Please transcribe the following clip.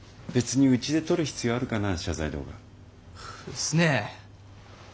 っすねえ。